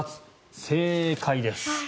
正解です。